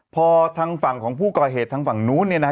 พอทางฝั่งของผู้ก่อเหตุทางฝั่งนู้นเนี่ยนะฮะ